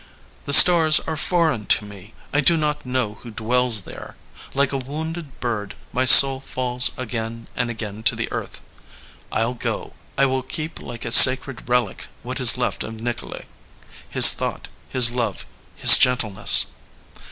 The stars are foreign to me. I do not know who dwells there. Like a wounded bird, my soul falls again and again to the earth ... I'll go. I will keep like a sacred relic what is left of Nikolay, his thought, his love, his gentleness.''